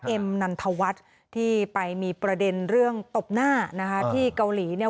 เอ็มนันทวัฒน์ที่ไปมีประเด็นเรื่องตบหน้านะคะที่เกาหลีเนี่ย